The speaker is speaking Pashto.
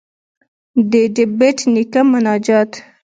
ددبېټ نيکه مناجات.